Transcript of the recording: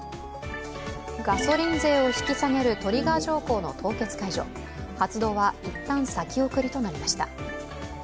ガソリン税を引き下げるトリガー条項の凍結解除、発動は一旦、先送りとなりました。